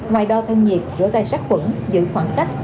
ngoài đo thân nhiệt rửa tay sát quẩn giữ khoảng cách